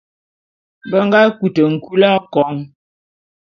Be nga kute nkul akon.